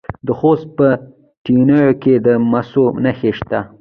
د خوست په تڼیو کې د مسو نښې شته.